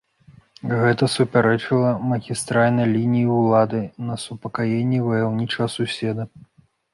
Гэта супярэчыла магістральнай лініі ўлады на супакаенне ваяўнічага суседа.